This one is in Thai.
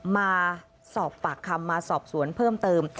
มาสอบปากคำมาสอบสวนเพิ่มเติม